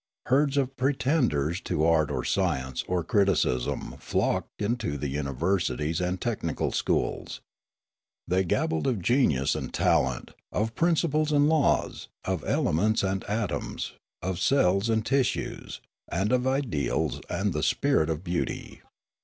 Herds of pretenders to art or science or criticism flocked into the universi ties and technical schools. Thej^ gabbled of genius and talent, of principles and laws, of elements and atoms, of cells and tissues, and of ideals and the spirit of beauty.